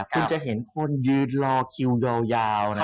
คุณจะเห็นคนยืนรอคิวยาวนะ